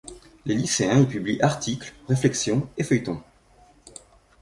Les lycéens y publient articles, réflexions et feuilletons.